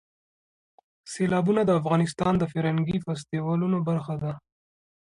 سیلابونه د افغانستان د فرهنګي فستیوالونو برخه ده.